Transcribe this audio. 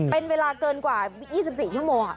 เป็นเวลาเกินกว่า๒๔ชั่วโมง